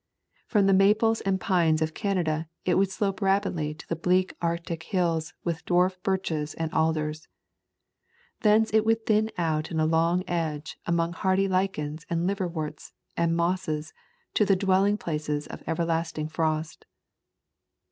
From the maples and pines of Canada it would slope rapidly to the bleak Arctic hills with dwarf birches and alders; thence it would thin out in a long edge among hardy lichens and liverworts and mosses to the dwelling places of everlasting frost.